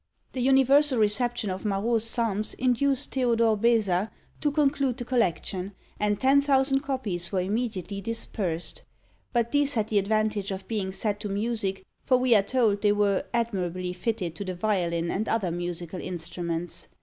The universal reception of Marot's Psalms induced Theodore Beza to conclude the collection, and ten thousand copies were immediately dispersed. But these had the advantage of being set to music, for we are told they were "admirably fitted to the violin and other musical instruments."